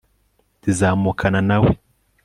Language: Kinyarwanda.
zizamukana na we